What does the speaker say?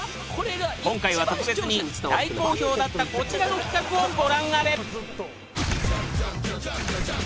今回は特別に大好評だったこちらの企画をご覧あれ